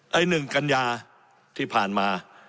ไอ้๑กัญญาที่ผ่านมา